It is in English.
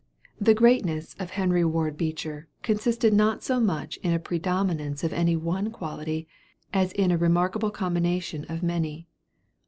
The greatness of Henry Ward Beecher consisted not so much in a predominance of any one quality as in a remarkable combination of many.